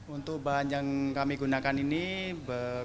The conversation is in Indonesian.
untuk bahan yang kami gunakan ini